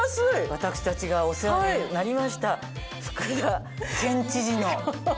私たちがお世話になりました福田県知事の。